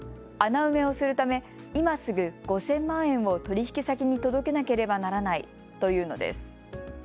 穴埋めをするため今すぐ５０００万円を取引先に届けなければならないというのです。